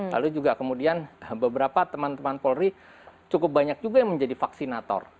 lalu juga kemudian beberapa teman teman polri cukup banyak juga yang menjadi vaksinator